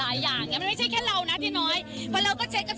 อาจจะมีแบบบ้างเล็กน้อยค่ะอาจจะไม่เห็น